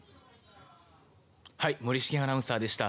森重アナウンサーでした。